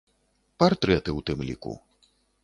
Партрэты ў тым ліку.